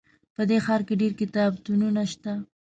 په دې ښار کې ډېر کتابتونونه شته